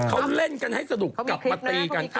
เขาเล่นกันให้สนุกกลับมาตีกัน